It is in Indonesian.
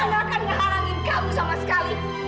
aku akan ngehalangin kamu sama sekali